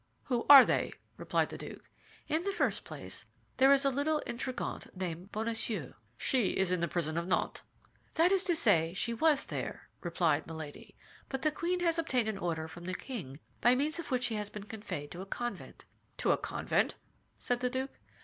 "Who are they?" replied the duke. "In the first place, there is a little intrigante named Bonacieux." "She is in the prison of Nantes." "That is to say, she was there," replied Milady; "but the queen has obtained an order from the king by means of which she has been conveyed to a convent." "To a convent?" said the duke.